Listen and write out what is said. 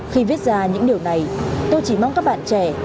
khi viết ra những điều này tôi chỉ mong các bạn trẻ